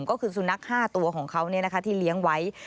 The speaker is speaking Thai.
ก็คือสุนัข๕ตัวของเขาที่เลี้ยงไว้